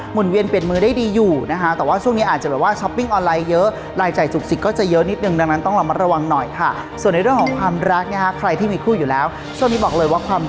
หมุนเวียนเปลี่ยนมือได้ดีอยู่นะคะ